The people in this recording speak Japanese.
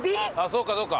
そうかそうか。